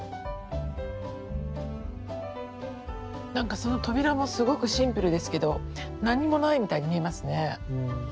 何かその扉もすごくシンプルですけど何もないみたいに見えますね。